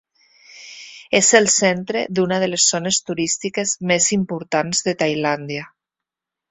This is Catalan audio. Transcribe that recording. És el centre d'una de les zones turístiques més importants de Tailàndia.